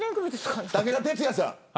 武田鉄矢さん。